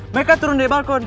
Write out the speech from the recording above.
mereka turun dari balkon